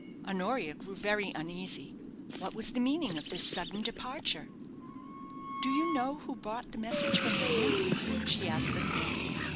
Honoria grew very uneasy. What was the meaning of this sudden departure? "Do you know who brought the message from Raynham?" she asked the groom.